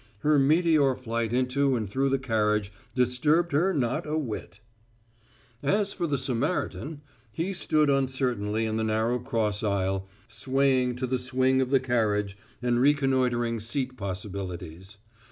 Her meteor flight into and through the carriage disturbed her not a whit. As for the Samaritan, he stood uncertainly in the narrow cross aisle, swaying to the swing of the carriage and reconnoitering seating possibilities.